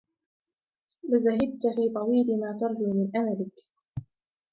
لَزَهِدْت فِي طَوِيلِ مَا تَرْجُو مِنْ أَمَلِك